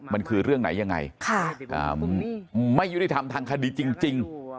มันคือเรื่องไหนยังไงไม่ยุติธรรมทางคดีจริง